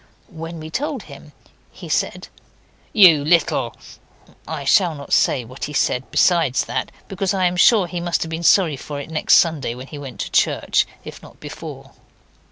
When we had told him he said 'You little .' I shall not say what he said besides that, because I am sure he must have been sorry for it next Sunday when he went to church, if not before.